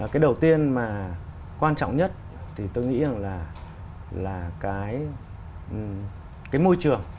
cái đầu tiên mà quan trọng nhất thì tôi nghĩ rằng là cái môi trường